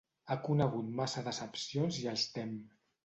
Ha conegut massa decepcions i els tem.